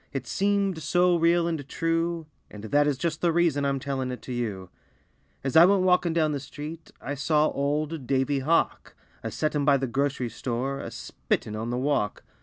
It seemed so real and true, And that is just the reason I'm tellin' it to you. As I went walkin' down the street, I saw old Davy Hawk, A settin' by the grocery store, A spittin' on the walk.